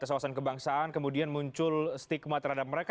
kesewasan kebangsaan kemudian muncul stigma terhadap mereka